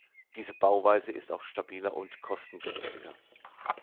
Diese Bauweise ist auch stabiler und kostengünstiger.